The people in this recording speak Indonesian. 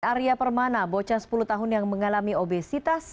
arya permana bocah sepuluh tahun yang mengalami obesitas